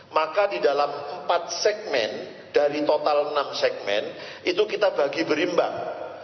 maka di dalam empat segmen dari total enam segmen itu kita bagi berimbang